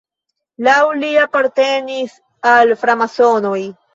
Laŭ li apartenis al framasonoj.